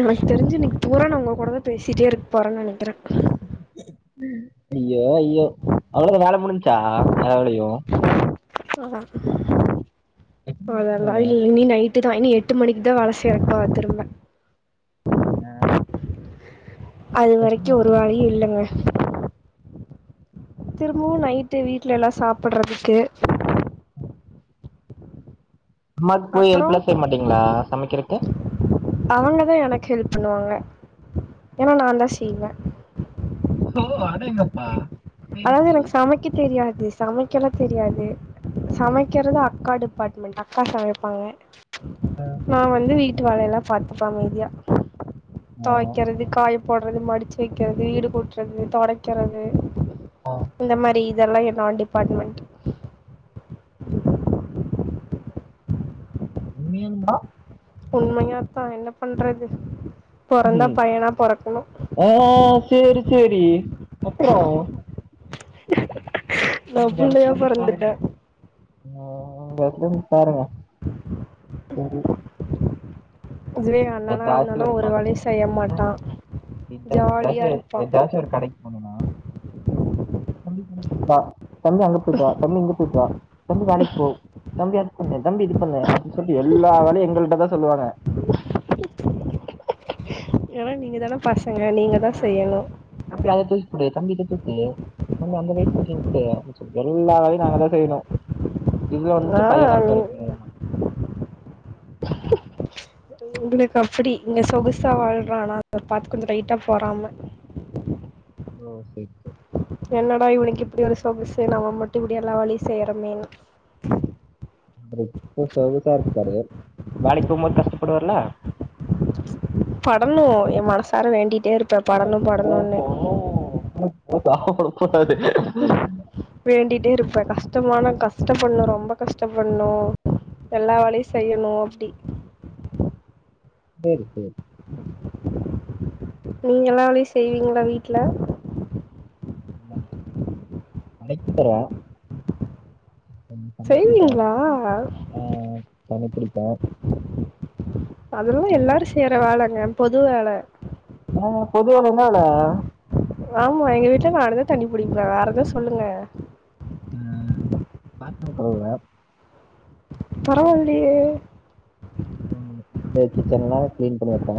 எனக்கு தெரிஞ்சு இன்னைக்கு பூரா நா உங்க கூடதா பேசிட்டே இருக் போறன் நெனைக்கிற ஐயோ ஐயோ அவ்ளோதா வேல முடிஞ்சா எல்லா வேலையு ஆ அதலா இல்ல நீ நைட் ட்டுதா இனி எட்டு மணிக்கு தா வேல செய்றக்க திரும்ப ந அது வரைக்கு ஒரு வேலயு இல்லங்க திரும்பவு நைட்டு வீட்ல எல்லா சாப்புறதுக்கு அம்மாக் போய் அப்புறோ ஹெல்ப்லா செய்ய மாட்டீங்ளா சமைக்கிறக்கு அவங்கதா எனக்கு ஹெல்ப் பண்ணுவாங்க ஏன்னா நாந்தா செய்வ ஓ அடேங்கப்பா சேரி அதாது சேரி எனக்கு சமைக்க தெரியாது சமைக்கல்லா தெரியாது சமைக்கிறது அக்கா டிபார்ட்மெண்ட் அக்கா சமைப்பாங்க அ நா வந்து வீட்டு வேலயெல்லா பாத்துப்ப அமைதியா ஆ தொவைக்கிறது காய போடுறது மடிச்சு வைக்கிறது வீடு கூட்றது தொடைக்கிறது இந்த மாரி இதெல்லா என்னோட டிபாட்மெண்ட் உண்மையாலுமா உண்மையா தா என்ன பண்றது பொறந்தா ம் பையனா பொறக்கணு ஆ சேரி சேரி அப்றோ நா புள்ளையா பொறந்துட்ட ம் வேலயு பாருங்க சரி இதுவே ஏ அண்னனா எதாச்சு இருந்தானா ஒரு வேலயு செய்ய மாட்டா இந்த ஜாலியா ஜாசிய இருப்பா ஜாசிய ஒரு கடைக் போனான ஒ தம்பி அங்க போய்ட்டு வா தம்பி இங்க போயிட்டு தண்ணி இங்க போயிட்டு வா தம்பி வேலைக்கு போ தம்பி அது பண்ண தம்பி இது பண்ணு அப்டின்னு சொல்லிட்டு எல்லா வேலையு எங்கள்ட்ட தா சொல்லுவாங்க ஏனா நீங்க தான பசங்க நீங்க தா செய்யணு அப்டியா தம்பி அத தூக்கி குடு தம்பி இத தூக்கு அந்த வட் கொ கிடையாது எல்லா வேலையு நாங்கதா செய்யணு இதுவே ஆ வந்துட்டு பையனா பொறக்கணுமா உங்களுக்கு அப்டி இங்க சொகுசா வாழ்றான ஆனா அத பாத்து கொஞ்ச லைட்டா பொறாம ஓகே க என்னடா இவனுக்கு இப்டி ஒரு சொகுசு நம்ம மட்டு இப்டி எல்லா வேலையு செய்றோம்னு இப்ப சொகுசா இருப்பாரு வேலைக்கு போம் போது கஷ்டப்படுவாருல படணு எ மனசார வேண்டிட்டே இருப்ப படனு படணுனு சாப்பிட [unintelligible] வேண்டிட்டே இருப்ப கஷ்டமான கஷ்ட பண்ணு ரொம்ப கஷ்டப்ப பண்ணு எல்லா வேலையு செய்யணு அப்டி சேரி சேரி நீங்க எல்லா வேலையு செய்வீங்ளா வீட்ல அனைக்கு பர செய்வீங்ளா ஆ தண்ணிப்புடி அதெல்லா எல்லாரு செய்யற வேலங்க பொது வேல ஆ பொதுவேல என்ன வேல ஆமா எங்க வீட்டுல நானுதா தண்ணி பிடிப்பே வேற எதாது சொல்லுங்க ஆ பாத்ரோ கழுவுவ பரவால்லியே ம் இ கிச்சன் எல்லா கிளீன் பண்ணி வப்பா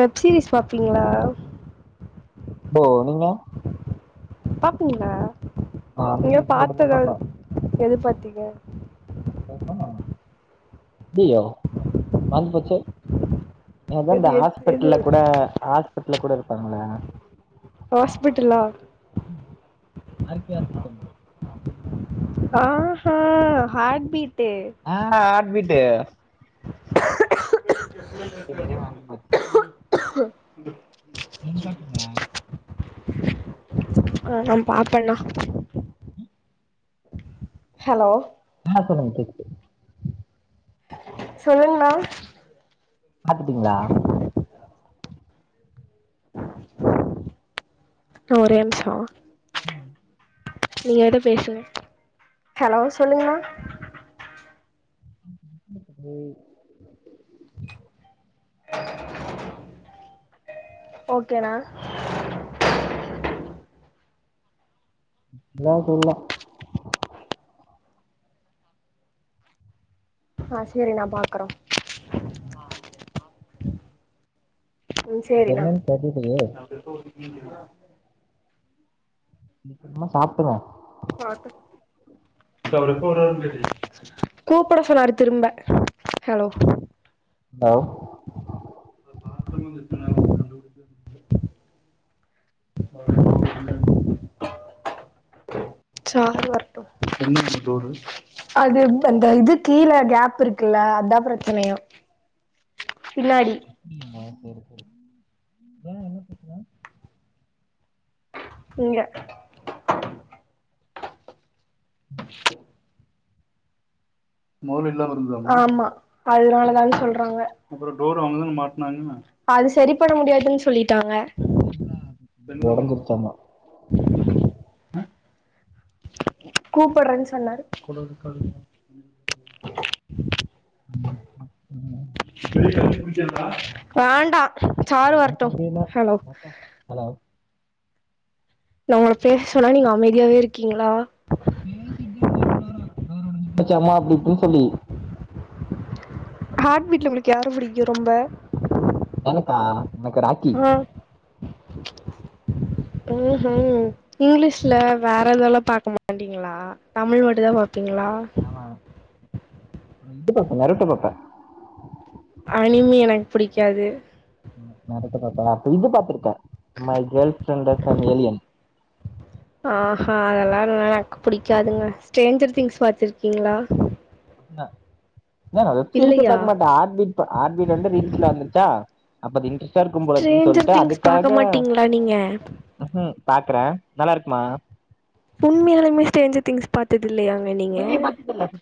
வெப்சீரிஸ் பாப்பீங்களா போ நீங்க பாப்பீங்களா நா நீங்க வந்துட்டு இது மட்டுந்தா பார்த்தது எதா பாப்பே எது பாத்தீங்க [unintelligible] ஐய்யோ மறந்து போச்சே ஏதா எது இந்த எது எது ஹாஸ்பிட்டல்ல கூட ஹாஸ்பிட்டல்ல கூட இருப்பாங்களே ஹாஸ்பிட்டலா ம் ஆர் கே ஹஸ்பிட்டல் ஆ ஆ ஹாட்பிட்டு ஆ ஹாட்பிட்டு [unintelligible] நீங்க பாப்பிங்களா ஆ நா பாப்பேண்ணா ம் ஹலோ ஆ சொல்லுங்க கேக்குது சொல்லுங்கணா பாத்துட்டீங்களா அண்ணா ஒரே நிமிஷோ ம் நீங்க ஏதோ பேச வே ஹலோ சொல்லுங்கண்ணா ம் ஆ ஓகேண்ணா ஓகே எல்லா இருக்குல்ல ஆ சேரிண்ணா பாக்குறோ ம் ம் சேரிண்ணா என்னன்னு தெரியலையே சிக்ரமா சாப்டுவோ பாத்து ஹலோ ஹலோ அது வரட்டு அது அந்த இது கீழே கேப் இருக்குல்ல அதா பிரச்சனையா பின்னாடி ஐயோ ஓ ஏ என்ன பிரச்சன இங்க ஆமா அதுனால தான் சொல்றாங்க அது சரி பண்ண முடியாதுன் சொல்லிட்டாங்க ஒடஞ்சிருச்சாமா கூப்புட்றேன் சொன்னாரு [inaudible] ஹலோ ஹலோ நா உங்கள பேச சொன்னா நீங்க அமைதியாவே இருக்கீங்ளா பேசிட் தா இருந்தே இவ்ளோ நேரோ டூர் ஒடஞ்சி போச்சாமா அப்டி இப்டின் சொல்லி ஹார்ட் பீட்ல உங்ளுக்கு யார புடிக்கு ரொம்ப எனக்கா எனக்கு ராக்கி ஆ ஓஹோ இங்கிலீஷ்ல வேற எதால பாக்க மாட்டீங்ளா தமிழ் மட்டுந்தா பாப்பீங்ளா ஆமா அப்றோ இது பாப்பே நரட்டோ பாப்பே அவனையுமே எனக் பிடிக்காது நரட்டோ பாப்பே அப்ப இது பாத்துருக்கே my girlfriend is an alien ஆஹா அதெல்லா எனக்கு புடிக்காதுங்க ஸ்டரேஞ்சர் திங்ஸ் பாத்துருக்கீங்ளா என்ன ஏங்க வெப்சீரிஸ்ஸே இல்லையா பாக்க மாட்டே ஆட் பீட் பா ஆட் பீட் வந்து ரீல்ஸ்ல வந்துருச்சா அப்ப அது இன்ட்ரெஸ்ட்டா இருக்கும்போல இருக்குன் ஸ்ட்ரேஞ்சர் சொல்ட்டு திங்ஸ் பாக்க அதுக்காக மாட்டீங்களா நீங்க ம் ஹூ பாக்குறே நல்லாருக்குமா உண்மயாலுமே ஸ்டேஞ்சர் திங்க்ஸ் பாத்ததில்லையா டி வியே பாத்ததில்ல [inaudible]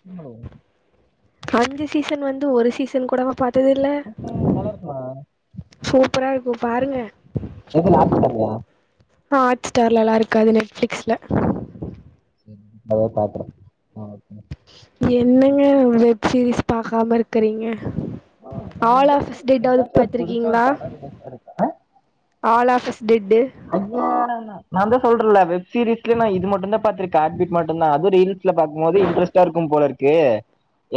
அஞ்சு சீசன் வந்து ஒரு சீசன் கூடவா பாத்ததில்ல நல்லாருக்குமா சூப்பரா இருக்கு பாருங்க எதுல ஹாட் ஸ்டார்லயா ஹாட் ஸ்டார்லல்லா இருக்காது நெட்ஃப்ளிக்ஸ்ல செரி மெதுவா பாக்குறே [inaudible] என்னங்க ஒரு வெப் சீரிஸ் பாக்காம இருக்குறீங்க அ நா ஏதாச்சு எதாச்சு ஒரு புதுசா ஒரு பாத்திருக்கீங்களா படோ ரிலீஸ் ஆயிருச்சாங்க ஆல் ஆஃப் அஸ் டெட்டு அப்பா நா தா சொல்றேல்ல வெப் சீரீஸ்ல நா இது மட்டுந்தா பாத்துருக்க ஹாட் பீட் மட்டுந்தா அது ரீஸ்ல பாக்கும் போது இன்ட்ரஸ்டா இருக்கும் போல இருக் கு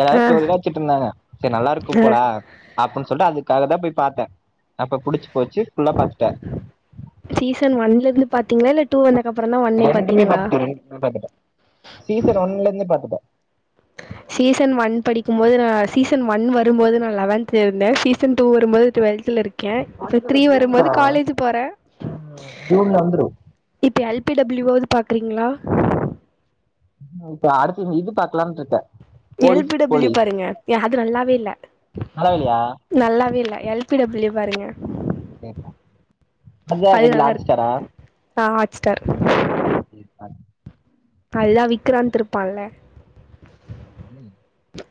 எல்லாரு ஆ ஸ்டோரிலா வச்சிட்ருந்தாங்க சரி நல்லாருக்கும் ஆ அ அப்புன் சொல்லிட்டு அதுக்காக தா போய் பாத்தே அப்ப புடிச்சு போச்சு ஃபுல்லா பாத்துட்டே சீசன் ஒன்ல இருந்து பாத்தீங்ளா இல்ல டூ வந்தக்கப்புறந்தா ஒன்னே பாத்தீங்ளா நா பாத்துட்டே சீசன் ஒன்ல இருந்தே பாத்துட்டே சீசன் ஒன் படிக்கும்போது நா சீசன் ஒன் வரும்போது நா லெவன்த்துல இருந்தே சீசன் டூ வரும்போது டுவல்த்துல இருக் க இப்ப வந்துரு த்ரீ ஜூன்ல வரும்போது காலேஜ் போறே ம் ஜூன்ல வந்துரு இப்போ எல் பி டபிள்யூவாது பாக்குறீங்களா இப்ப அடுத்த இது பாக்கலாம்னுட்டு இருக்க எல் பி டபிள்யூ பாருங்க அது நல்லாவே இல்ல நலா இல்யா நல்லாவே இல்ல எல்பிடபிள்யூ பாருங்க ஓ ஓ ரென்டாவது அது இதுல நல்லா இருக்கு அடிச்சிட்டாரா ஆ ஆட்சிடாரு ம் அதுதா விக்கிறான்ந்த இருப்பான்ல ம்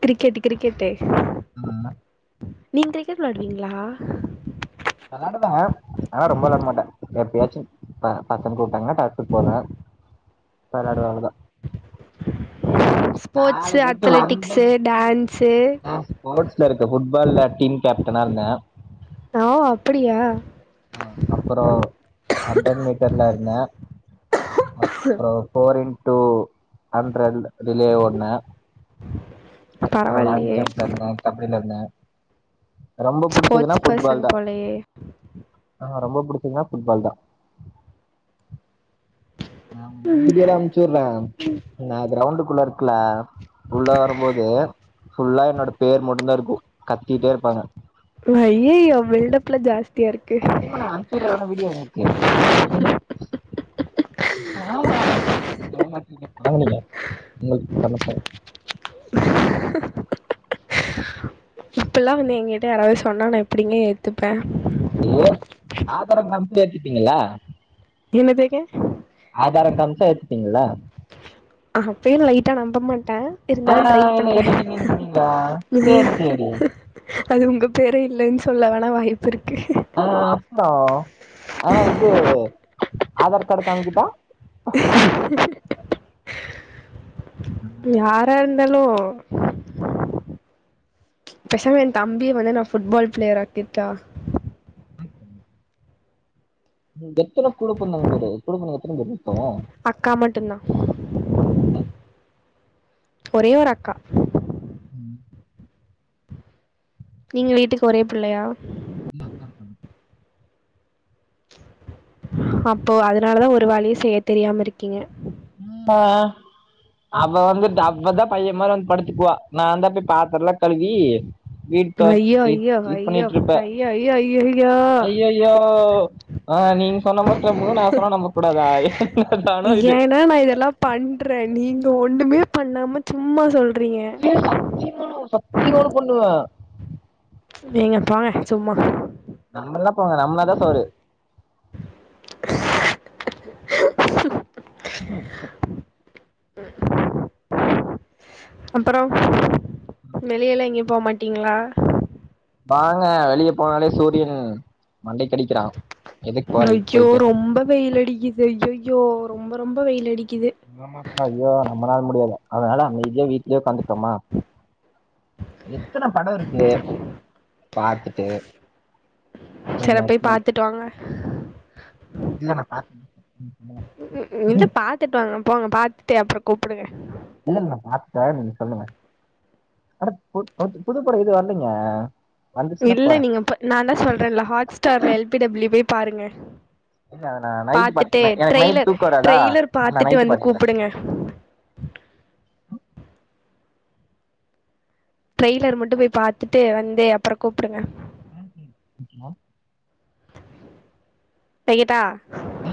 கிரிக்கெட் கிரிக்கெட்டு ம் நீங்க க்ரிக்கெட் வில்லாடுவிங்களா விள்ளாடுவேன் ஆனா ரொம்ப விள்ளாட மாட்டேன் எப்பயாச்சோம் ம் பசங்க கூப்டாங்கனா படத்துக்கு போவ வெள்ளாடுவே அவ்லோதான் கால ஜெட்டு வந்ததுக்கு சேரி நா ஸ்போர்ட்ஸ்ல இருக்க ஃபுட்பால்ல டீம் கேப்டனா இருந்தன் ஆ அப்படியா ஆ அப்பறோ ஹண்ட்ரட் மீட்டர்ல இருந்தன் அப்பறோம் போர் இன்டூ ஹண்ட்ரட் ரிலே ஓட்ணண் அப்பறோ லாங் பரவாயில்லையே ஜப்ல இருந்த கபடியில இருந்த ரொம்ப புடிச்சதுன்னா ஸ்போர்ட்ஸ் புட்பால் பர்சன் தா போலயே ஆ ரொம்ப புடிச்சதுன்னா புட்பால் தா நா வண்டியெல்லாம் அனுச்சுடுறேன் நான் கிரௌண்டுக்குள்ள இருக்கல உள்ள வரும்மோது ஃபுல்லா என்னோட பேர் மட்டூதான் இருக்கோம் கத்திட்டே இருப்பாங்க ஐய்யோ பில்டப்லா ஜாஸ்தி சத்திமா நா அனுப்ச்சிவுடுறன் வீடியோ உங்ளுக்கு நம்ப மாட்ரீங்க ஆமா என்ன நம்ப மாட்ரீங்க பங்கனீங்க பரவாலீங்க உங்களுக்கு பண்ணத்த [inaudible] இப்பல்லா வந்து எங்கிட்ட யாராவது சொன்னா நா எப்பிடிங்க ஏத்துப்பன் ஐய்யோ ஆதாரோம் காம்பிச்சா ஏத்துப்பிங்களா என்னதுங்க ஆதாரோ காம்ச்சா ஏத்துப்பிங்ல்ல அப்பேயும் லைட்டா நம்ப மாட்டன் ஆ இருந்தாலோ ட்ரை என்ன பண்ற எடிட்டிங்னு சொன்னீங்களா சேரி சேரி அது உங்க பேரே இல்லைன்னு சொல்ல வேணா வாய்ப்பு இருக்கு ஆஹ ஆமா ஆ இது ஆதார் கார்டு காமிக்கிட்டா யாரா இருந்தாலோ பெசாம என் தம்பிய வென்னா வந்து நா ஃபுட்பால் ப்ளேயரா ஆக்கிட்டா அம்சிவுடுங்க எத்தன கூடப் பொரநறதவங்க பேரு கூடப்பொறந்தங்க எத்தன பேர் இப்ப அக்கா மட்டும் தான் ஒரே ஒரு அக்கா ம் நீங்க வீட்டுக்கு ஒரே பிள்ளையா இல்ல அக்கா இருக்காங்க்கா அப்போ அதனாலதா ஒரு வேலையு செய்ய தெரியாம இருக்கீங்க அம்மா அவ வந்துட்டு அவதா பைய மாரி வந்து படுத்துக்குவா நா தா போய் பாத்தரல்லா கழுவி வீடு தொ ஐயோ இ ஐயோ இது ஐயோ பண்ணிட்ருப்ப ஐயோ ஐயோ ஐயோ ஐய்யய்யோ அ நீங்க சொன்னா மட்டு நம்பனு நா சொன்னா நம்ப கூடாதா என்னாதானோ இது பண்ற நீங்க ஒண்ணுமே பண்ணாம சும்மா சொல் ஏ சத்தியமா சத்தியமா வேல பண்ணுவ நீங்க போங்க சும்மா நம்பல்லனா போங்க நம்பனாதா சோறு ம் அப்பறோ வெளியல்லா எங்கயு போமாட்டீங்ளா ஆங்க வெளிய போனாலே சூரியன் மண்டைக்கடிக்கிறா எதுக்கு போற இதுக்கு ஐயோ போயிட்டு ரொம்ப வெயில் அடிக்குது ஐய்யய்யோ ரொம்ப ரொம்ப வெயில் அடிக்குது ஆமா ஐயோ நம்மளால முடியாது அதனால அமைதியா வீட்லயே ஒக்காந்துட்டோமா எத்தன பட இருக்கு பாத்துட்டு சேர போய் இல்லாட்டி பாத்துட்டு வாங்க இன்னமப்ப ம் இல்ல பாத்துட்டு வாங்க போங்க பாத்துட்டு அப்பற கூப்புடுங்க இல்ல நா பாத்துட்ட நீங்க சொல்லுங்க அட பு புது படோ எது வரலைங்க வந்துச்சுன்னா இல்ல போறேன் நீங்க நா என்ன சொல்றல்ல ஹாட்ஸ்டார் எல் பி டபள்யூ போய் பாருங்க இல்ல அத நான் நைட்டு பாத்துட்டு பாத்துக்கிறேன் எனக்கு நைட் ட்ரெய்லர் தூக்கம் வராதா ட்ரெய்லர் நான் பாத்துட்டு நைட்டு வந்து பாத்துக்கிறேன் கூப்புடுங்க ட்ரெய்லர் மட்டு போய் பாத்துட்டு வந்து அப்புற கூப்புடுங்க ம் வைக்கட்டா ஆ,